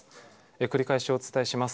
繰り返しお伝えします。